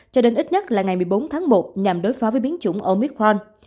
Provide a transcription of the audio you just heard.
cho đến ít nhất là ngày một mươi bốn tháng một nhằm đối phó với biến chủng omitron